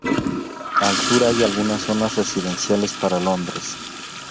Al sur hay algunas zonas residenciales para Londres.